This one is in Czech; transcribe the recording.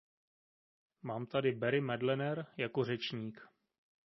Mám tady Barry Madlener jako řečník.